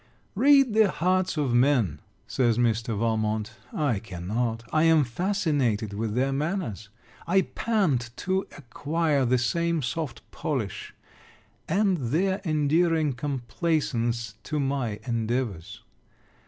'Read the hearts of men,' says Mr. Valmont. I cannot. I am fascinated with their manners. I pant to acquire the same soft polish; and their endearing complaisance to my endeavours.